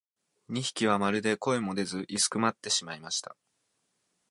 二疋はまるで声も出ず居すくまってしまいました。